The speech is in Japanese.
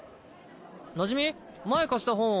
なじみ前貸した本を。